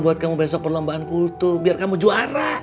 buat kamu besok perlombaan kultur biar kamu juara